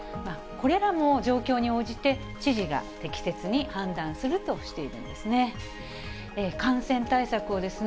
これらも状況に応じて、知事が適切に判断するとしているんですね。